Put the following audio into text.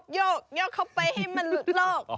โยกเข้าไปให้มันหลุดโลก